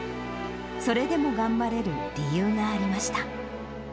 それでも頑張れる理由がありました。